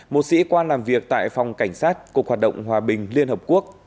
một sĩ quan làm việc tại phòng cảnh sát cục hoạt động hòa bình liên hợp quốc